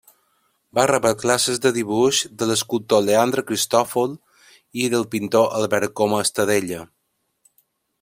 Va rebre classes de dibuix de l’escultor Leandre Cristòfol i del pintor Albert Coma Estadella.